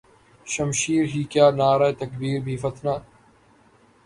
شمشیر ہی کیا نعرہ تکبیر بھی فتنہ